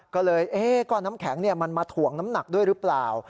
ก็เลยก้อนน้ำแข็งมันมาถ่วงน้ำหนักด้วยหรือเปล่า